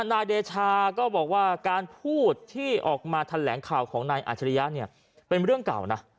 นายเดชาก็บอกว่าการพูดที่ออกมาแถลงข่าวของนายอาจริยะเนี่ยเป็นเรื่องเก่านะ